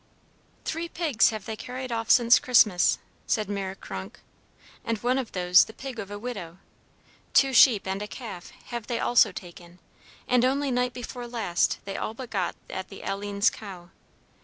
"Three pigs have they carried off since Christmas," said Mère Kronk, "and one of those the pig of a widow! Two sheep and a calf have they also taken; and only night before last they all but got at the Alleene's cow.